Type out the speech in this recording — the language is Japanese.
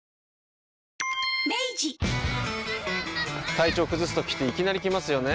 体調崩すときっていきなり来ますよね。